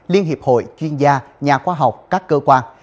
liên hiệp hội chuyên gia nhà khoa học các cơ quan